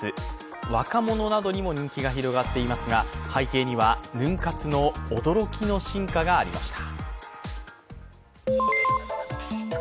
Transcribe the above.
若者などにも人気が広がっていますが背景にはヌン活の驚きの進化がありました。